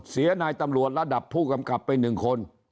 เสียนายตำรวจระดับผู้กำกับไป๑คน